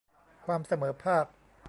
ความเสมอภาค